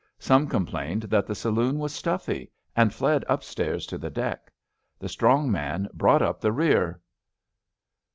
Some complained that the saloon was stuffy, and fled upstairs to the deck. The strong man brought up the rear.